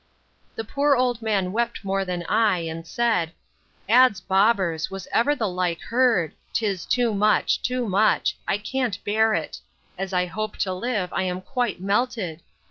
The poor old man wept more than I, and said, Ads bobbers, was ever the like heard! 'Tis too much, too much; I can't bear it. As I hope to live, I am quite melted.